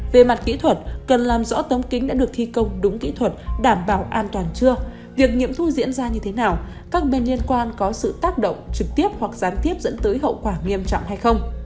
về mặt kỹ thuật cần làm rõ tấm kính đã được thi công đúng kỹ thuật đảm bảo an toàn chưa việc nghiệm thu diễn ra như thế nào các bên liên quan có sự tác động trực tiếp hoặc gián tiếp dẫn tới hậu quả nghiêm trọng hay không